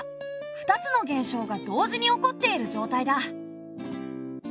２つの現象が同時に起こっている状態だ。